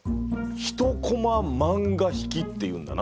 １コマ漫画悲喜っていうんだな。